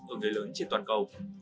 ở người lớn trên toàn cầu